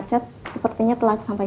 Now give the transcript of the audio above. uj atu seperti atut validatensial